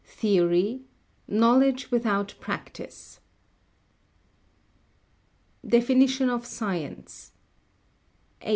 Theory: knowledge without practice. [Sidenote: Definition of Science] 8.